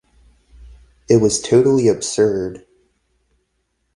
It was totally absurd!